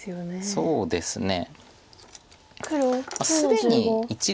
そうですね。